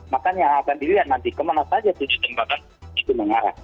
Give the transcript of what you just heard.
makanya akan dilihat nanti kemana saja tujuh tembakan itu mengarah